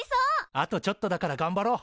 あとちょっとだからがんばろう！